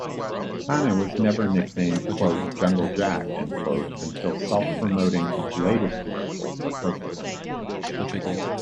Hanna was never nicknamed "Jungle Jack" until self-promoting his latest commercial for Cosequin.